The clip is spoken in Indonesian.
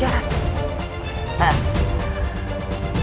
jangan merasa gampang menghadapi siniwangi